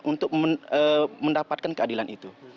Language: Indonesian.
untuk mendapatkan keadilan itu